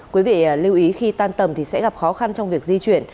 quý vị lưu ý khi tan tầm thì sẽ gặp khó khăn trong việc di chuyển